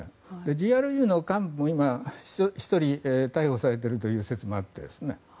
ＧＲＵの幹部も今、１人逮捕されているという説もあって。